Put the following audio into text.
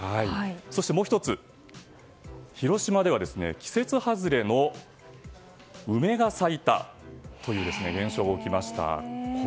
そして、もう１つ広島では、季節外れの梅が咲いたという現象が起きました。